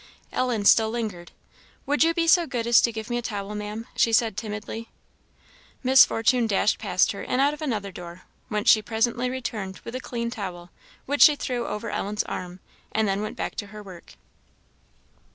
Ellen still lingered. "Would you be so good as to give me a towel, Maam," she said, timidly. Miss Fortune dashed past her and out of another door, whence she presently returned with a clean towel, which she threw over Ellen's arm, and then went back to her work.